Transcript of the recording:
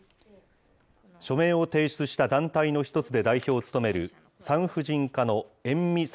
署名を提出した団体の１つで代表を務める、産婦人科の遠見才